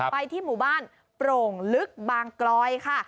ไปที่หมู่บ้านโปร่งลึกบางกลอยค่ะ